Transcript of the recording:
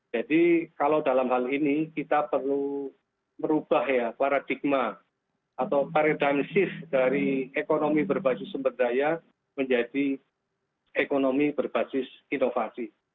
jadi kalau dalam hal ini kita perlu merubah ya paradigma atau paradisis dari ekonomi berbasis sumber daya menjadi ekonomi berbasis inovasi